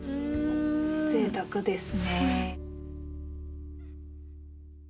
ぜいたくですね。